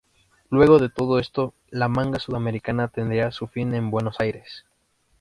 Luego de todo esto, la manga sudamericana tendría su fin en Buenos Aires.